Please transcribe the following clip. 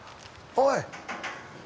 おい！